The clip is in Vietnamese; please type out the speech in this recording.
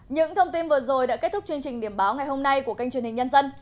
những thông tin vừa rồi đã kết thúc chương trình điểm báo ngày hôm nay của kênh truyền hình nhân dân